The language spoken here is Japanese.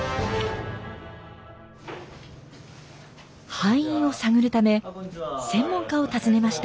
敗因を探るため専門家を訪ねました。